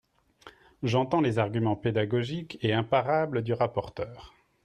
J’entends les arguments pédagogiques et imparables du rapporteur.